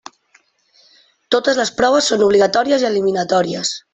Totes les proves són obligatòries i eliminatòries.